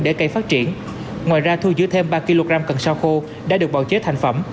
để cây phát triển ngoài ra thu giữ thêm ba kg cần sao khô đã được bầu chế thành phẩm